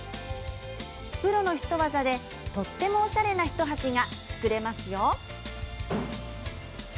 プロのひと技でとってもおしゃれな１鉢が作れますよ。